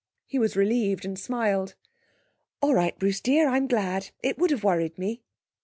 He was relieved, and smiled. 'All right, Bruce dear. I'm glad. It would have worried me.'